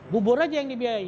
bubur aja yang dibiayai